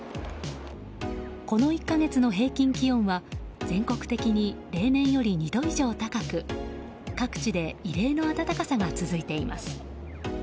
この１か月の平均気温は全国的に例年より２度以上高く各地で異例の暖かさが続いています。